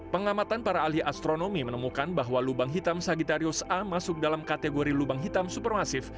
pengamatan para ahli astronomi menemukan bahwa lubang hitam sagitarius a masuk dalam kategori lubang hitam supermasif